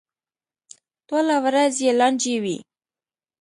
ټوله ورځ یې لانجې وي.